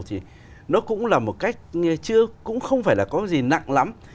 thì nó cũng là một cách chứ cũng không phải là có gì nặng lắm